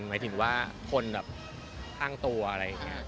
หมายถึงว่าคนแบบข้างตัวอะไรอย่างนี้